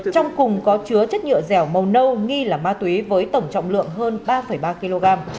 trong cùng có chứa chất nhựa dẻo màu nâu nghi là ma túy với tổng trọng lượng hơn ba ba kg